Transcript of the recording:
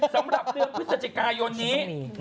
สำหรับเดือนพฤศจิกายนนี้